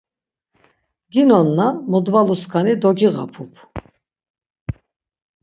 Ginon na modvaluskani dogiğapup.